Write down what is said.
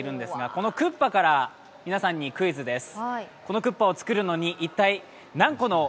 このクッパから皆さんにクイズです。